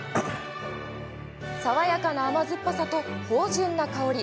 爽やかな甘酸っぱさと芳じゅんな香り。